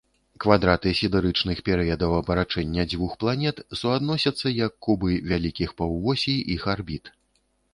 Квадраты сідэрычных перыядаў абарачэння дзвюх планет суадносяцца як кубы вялікіх паўвосей іх арбіт.